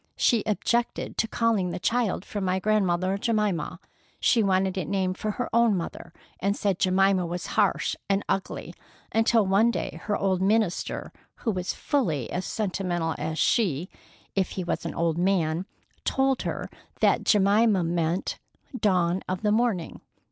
"She objected to calling the child for my grandmother, Jemima. She wanted it named for her own mother, and said Jemima was harsh and ugly, until one day her old minister, who was fully as sentimental as she, if he was an old man, told her that Jemima meant 'Dawn of the Morning.